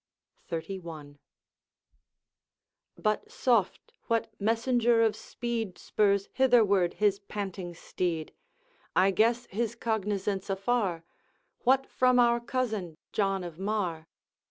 XXXI.. 'But soft! what messenger of speed Spurs hitherward his panting steed? I guess his cognizance afar What from our cousin, John of Mar?'